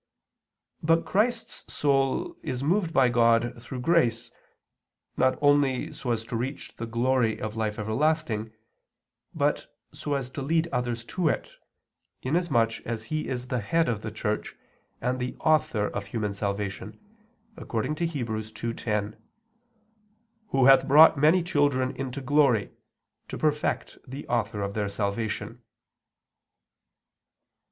But Christ's soul is moved by God through grace, not only so as to reach the glory of life everlasting, but so as to lead others to it, inasmuch as He is the Head of the Church, and the Author of human salvation, according to Heb. 2:10: "Who hath brought many children into glory [to perfect] the Author of their salvation."